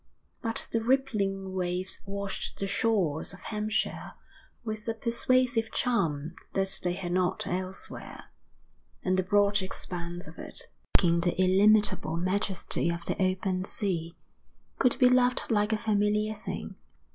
But the rippling waves washed the shores of Hampshire with a persuasive charm that they had not elsewhere, and the broad expanse of it, lacking the illimitable majesty of the open sea, could be loved like a familiar thing.